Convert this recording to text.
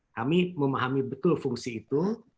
kami memahami betul fungsi itu